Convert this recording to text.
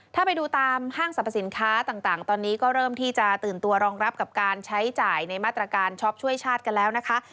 ถ้าไปดูตามห้างสรรพสินค้าต่างตอนนี้ก็เริ่มที่จะตื่นตัวรองรับกับการใช้จ่ายในมาตรการช็อปช่วยชาติกันแล้วนะคะ